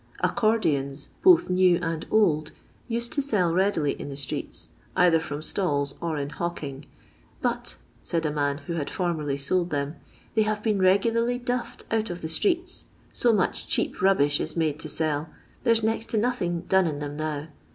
Acoordiontt both new and old, used to sell readily in the streets, either from stalls or in hawking, " but," said a | man who had formerly sold them, " they have been regularly 'duffed' out of the streets, so much cheap rubbish is made to selL There 's next to nothing done in them now.